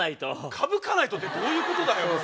「かぶかないと」ってどういうことだよ。